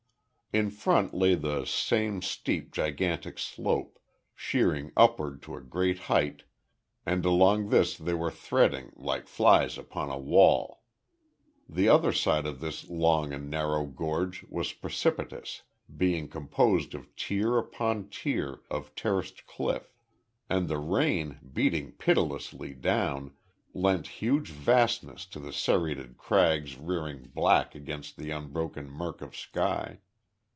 In front lay the same steep gigantic slope, sheering upward to a great height, and along this they were threading, like flies upon a wall. The other side of this long and narrow gorge was precipitous, being composed of tier upon tier of terraced cliff. And the rain, beating pitilessly down, lent huge vastness to the serrated crags rearing black against an unbroken murk of sky.